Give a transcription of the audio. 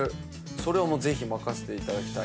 それはぜひ任せていただきたいなと。